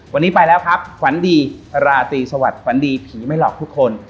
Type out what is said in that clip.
วันนี้ไปแล้วครับฝันดีราตรีสวัสดิฝันดีผีไม่หลอกทุกคน